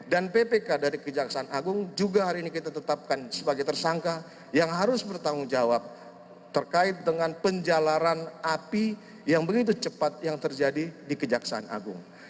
dan ppk dari kejaksaan agung juga hari ini kita tetapkan sebagai tersangka yang harus bertanggung jawab terkait dengan penjalaran api yang begitu cepat yang terjadi di kejaksaan agung